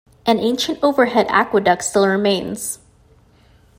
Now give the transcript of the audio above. An ancient overhead aqueduct still remains.